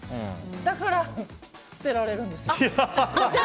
だから、捨てられるんですよ。